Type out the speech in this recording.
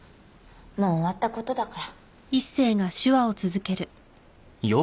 もう終わった事だから。